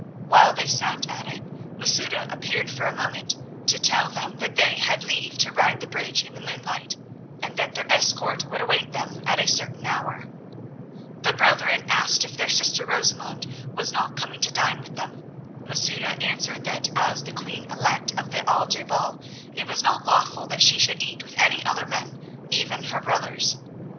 While they sat at it Masouda appeared for a moment to tell them that they had leave to ride the bridge in the moonlight, and that their escort would await them at a certain hour. The brethren asked if their sister Rosamund was not coming to dine with them. Masouda answered that as the queen elect of the Al je bal it was not lawful that she should eat with any other men, even her brothers.